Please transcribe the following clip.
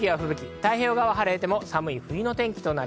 太平洋側は晴れても寒い冬の天気。